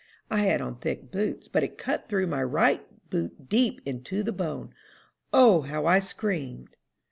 I had on thick boots, but it cut through my right boot deep into the bone. O, how I screamed!"